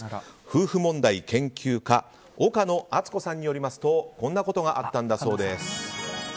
夫婦問題研究家岡野あつこさんによりますとこんなことがあったんだそうです。